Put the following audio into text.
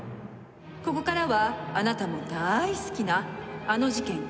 ここからはあなたも大好きなあの事件